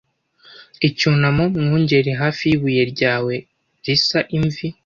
Icyunamo, Mwungeri, hafi y'ibuye ryawe risa imvi